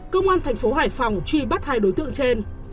công an thành phố hải phòng truy bắt hai đối tượng trên